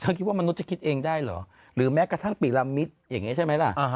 คิดว่ามนุษย์จะคิดเองได้เหรอหรือแม้กระทั่งปีละมิตรอย่างนี้ใช่ไหมล่ะ